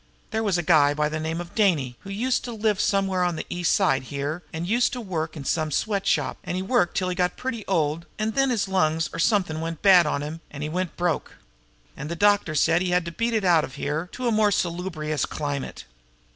There was a guy by the name of Dainey who used to live somewhere on the East Side here, an' he used to work in some sweat shop, an' he worked till he got pretty old, an' then his lungs, or something, went bad on him, an' he went broke. An' the doctor said he had to beat it out of here to a more salubrious climate.